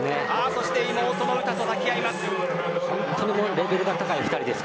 そして妹の詩と抱き合います。